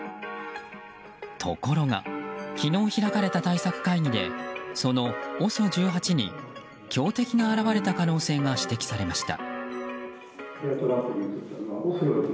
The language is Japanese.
ところが昨日開かれた対策会議でそのＯＳＯ１８に強敵が現れた可能性が指摘されました。